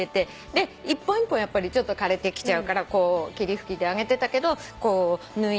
で一本一本ちょっと枯れてきちゃうから霧吹きであげてたけど抜いて抜いて。